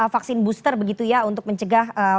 vaksin booster begitu ya untuk mencegah